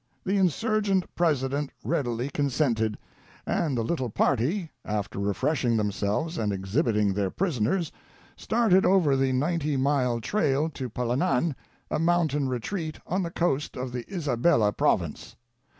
The Insurgent president readily consented, and the little party, after refreshing themselves and exhibiting their prisoners, started over the ninety mile trail to Palanan, a mountain retreat on the coast of the Isabella province.